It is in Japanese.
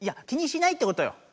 気にしないってことよ。